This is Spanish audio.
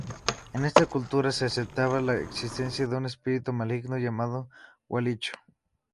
En esta cultura se aceptaba la existencia de un espíritu maligno, llamado Gualicho.